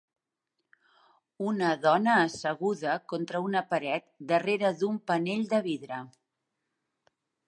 Una dona asseguda contra una paret darrere d'un panell de vidre.